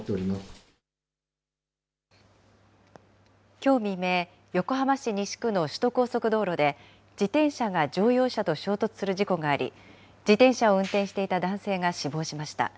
きょう未明、横浜市西区の首都高速道路で、自転車が乗用車と衝突する事故があり、自転車を運転していた男性が死亡しました。